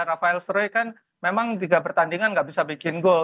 rafael sroy kan memang tiga pertandingan nggak bisa bikin gol